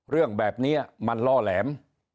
เรื่องแบบนี้มันล่อแหลม